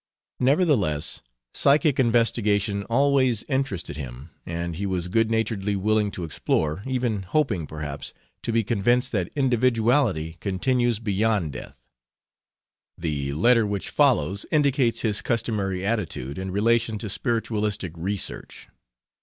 Nevertheless, psychic investigation always interested him, and he was good naturedly willing to explore, even hoping, perhaps, to be convinced that individuality continues beyond death. The letter which follows indicates his customary attitude in relation to spiritualistic research.